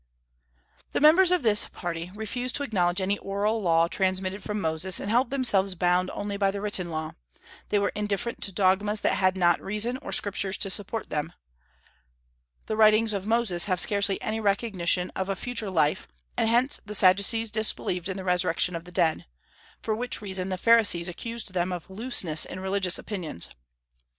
The members of this party refused to acknowledge any Oral Law transmitted from Moses, and held themselves bound only by the Written Law; they were indifferent to dogmas that had not reason or Scriptures to support them. The writings of Moses have scarcely any recognition of a future life, and hence the Sadducees disbelieved in the resurrection of the dead, for which reason the Pharisees accused them of looseness in religious opinions.